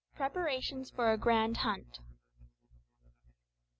PREPARATIONS FOR A GRAND HUNT.